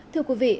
thưa quý vị